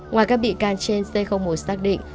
ngoài các bị can trên c một xác định